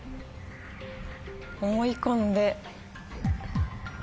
思い込んで。